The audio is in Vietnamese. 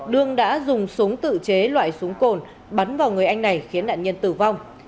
đương đã dùng súng tự chế loại súng cồn bắn vào người anh này khiến nạn nhân tử vong